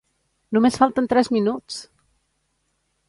Només falten tres minuts!